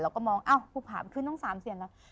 เราก็มองอ้าวปฐมขึ้นตรงสามเศียรแล้ว